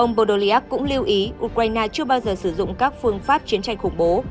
ông boldoliag cũng lưu ý ukraine chưa bao giờ sử dụng các phương pháp chiến tranh khủng bố